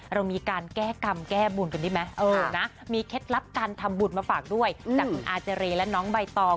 เรามีการแก้กรรมแก้บนกันดีไหมมีเคล็ดลับการทำบุญมาฝากด้วยจากคุณอาเจรและน้องใบตอง